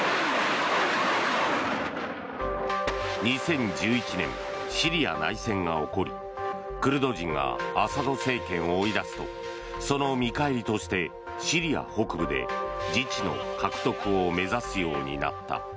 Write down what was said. ２０１１年、シリア内戦が起こりクルド人がアサド政権を追い出すとその見返りとしてシリア北部で自治の獲得を目指すようになった。